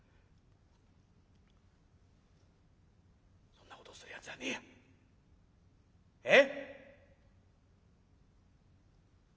「そんなことをするやつじゃねえや。ええ？」。